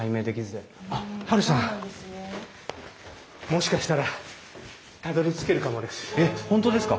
もしかしたらたどりつけるかもです。